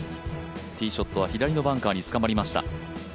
ティーショットは左のバンカーに捕まりました。